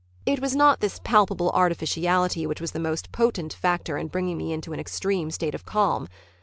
It was not this palpable artificiality which was the most potent factor in bringing me into an extreme state of calm.